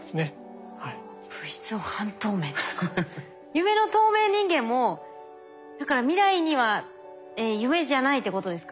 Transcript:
夢の透明人間もだから未来には夢じゃないってことですか？